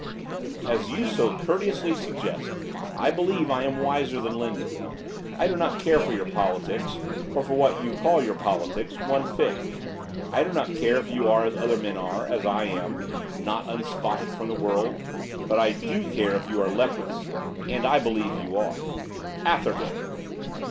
'As you so courteously suggest, I believe I am wiser than Lindon. I do not care for your politics, or for what you call your politics, one fig. I do not care if you are as other men are, as I am, not unspotted from the world! But I do care if you are leprous. And I believe you are.' 'Atherton!